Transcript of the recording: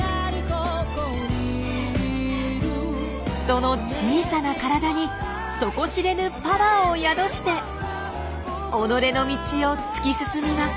その小さな体に底知れぬパワーを宿して己の道を突き進みます。